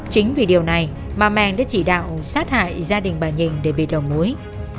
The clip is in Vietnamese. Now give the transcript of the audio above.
chính vì điều này mà mạng đã chỉ đạo sát hại gia đình bà nhìn để bị đầu mối